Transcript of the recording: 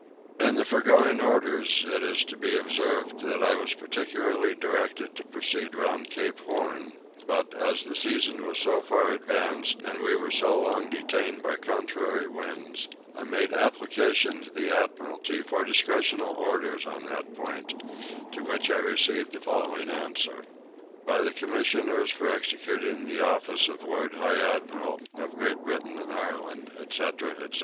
... In the foregoing orders it is to be observed that I was particularly directed to proceed round Cape Horn but, as the season was so far advanced and we were so long detained by contrary winds, I made application to the Admiralty for discretional orders on that point; to which I received the following answer: BY THE COMMISSIONERS FOR EXECUTING THE OFFICE OF LORD HIGH ADMIRAL OF GREAT BRITAIN AND IRELAND, ETC. ETC.